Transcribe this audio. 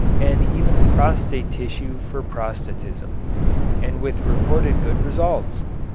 and even prostate tissue for prostatism and with reported good results!